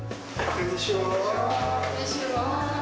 こんにちは。